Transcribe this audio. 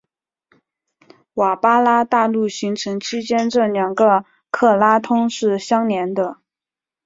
瓦巴拉大陆形成期间这两个克拉通是相连的。